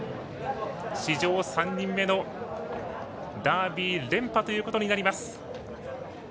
史上３人目のダービー連覇ということになります。